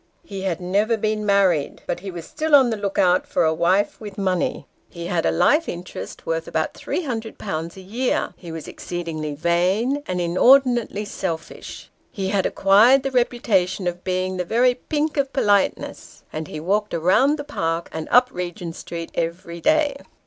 He had never been married ; but he was still on the look out for a wife with money. He had a life interest worth about 300Z. a year he was exceedingly vain, and inordinately selfish. He had acquired the reputation of being the very pink of politeness, and he walked round the Park, and up Regent Street, every day.